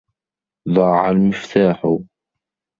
ضَاعَ الْمِفْتَاحُ.